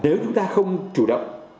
nếu chúng ta không chủ động